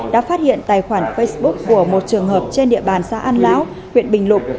đã phát hiện tài khoản facebook của một trường hợp trên địa bàn xã an lão huyện bình lục